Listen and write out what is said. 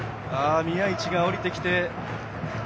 宮市が下りてきました。